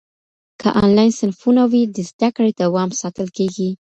که انلاین صنفونه وي، د زده کړې دوام ساتل کېږي.